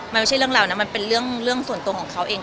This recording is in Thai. มันไม่ใช่เรื่องเรานะมันเป็นเรื่องส่วนตัวของเขาเอง